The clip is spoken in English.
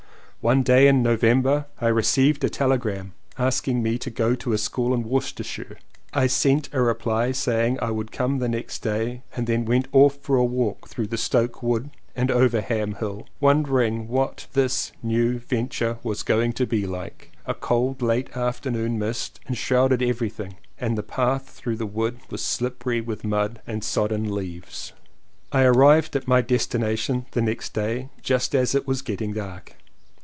One day in November I received a telegram asking me to go to a school in Worcestershire. I sent a reply saying I would come the next day and then went off^ for a walk through Stoke Wood and over Ham Hill wondering what this new venture was going to be like. A cold late afternoon mist enshrouded everything and the path through the wood was slippery with mud and sodden leaves. I arrived at my destination the next day just as it was getting dark.